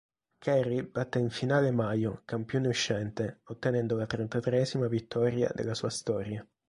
Kerry batté in finale Mayo, campione uscente, ottenendo la trentatreesima vittoria della sua storia.